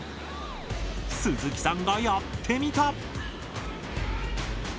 鈴木さんがやってみた！